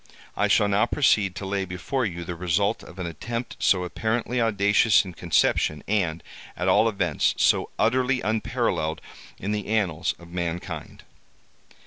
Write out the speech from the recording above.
I shall now proceed to lay before you the result of an attempt so apparently audacious in conception, and, at all events, so utterly unparalleled in the annals of mankind.